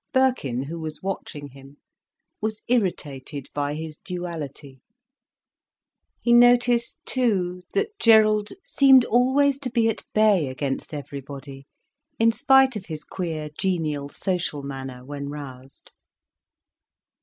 Birkin, who was watching him, was irritated by his duality. He noticed too, that Gerald seemed always to be at bay against everybody, in spite of his queer, genial, social manner when roused.